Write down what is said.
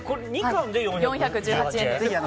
２貫で４１８円。